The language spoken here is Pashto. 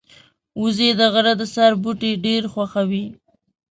وزې د غره د سر بوټي ډېر خوښوي